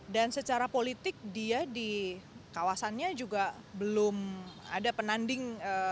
dan secara politik dia di kawasannya juga belum ada penanding